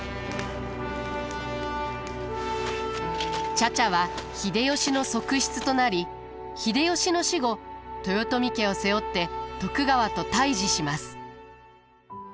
茶々は秀吉の側室となり秀吉の死後豊臣家を背負って徳川と対じします。